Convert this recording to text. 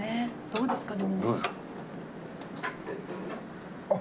どうですか？